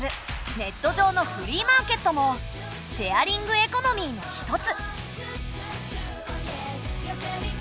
ネット上のフリーマーケットもシェアリングエコノミーのひとつ。